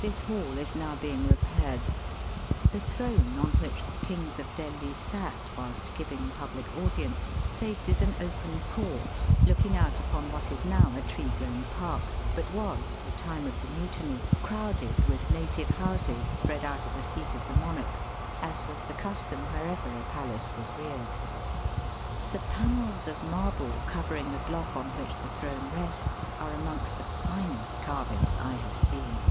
This hall is now being repaired. The throne on which the kings of Delhi sat whilst giving public audience faces an open court looking out upon what is now a tree grown park, but was at the time of the mutiny crowded with native houses, spread out at the feet of the monarch, as was the custom wherever a palace was reared. The panels of marble covering the block on which the throne rests are amongst the finest carvings I have seen.